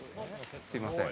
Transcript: すみません。